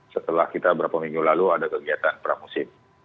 setelah kita berapa minggu lalu ada kegiatan pramusim